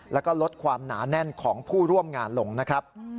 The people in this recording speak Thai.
แล้วก็ลดความหนาแน่นของผู้ร่วมงานลงนะครับ